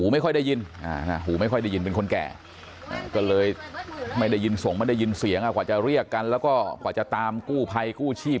ไม่ได้ยินสงไม่ได้ยินเสียงกว่าจะเรียกกันแล้วก็กว่าจะตามกู้ภัยกู้ชีพ